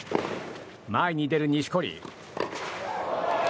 前に出る錦織。